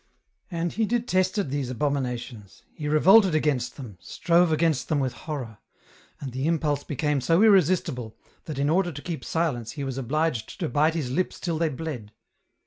And he detested these abominations ; he revolted against them, strove against them with horror ; and the impulse became so irresistible, that in order to keep silence he was obliged to bite his lips till they bled.